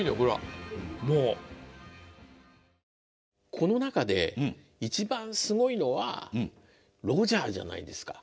この中で一番すごいのはロジャーじゃないですか。